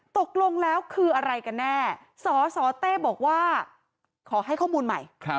ตกลงแล้วคืออะไรกันแน่สสเต้บอกว่าขอให้ข้อมูลใหม่